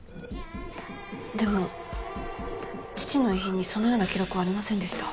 でも父の遺品にそのような記録はありませんでした。